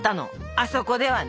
あそこではね。